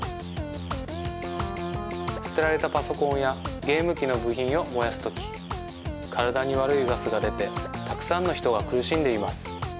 すてられたパソコンやゲームきのぶひんをもやすときからだにわるいガスがでてたくさんのひとがくるしんでいます。